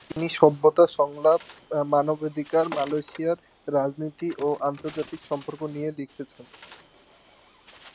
তিনি সভ্যতা সংলাপ, মানবাধিকার, মালয়েশিয়ার রাজনীতি এবং আন্তর্জাতিক সম্পর্ক নিয়ে লিখেছেন।